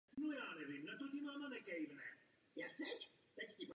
V jeho životopise je obtížné oddělit legendu od historických faktů.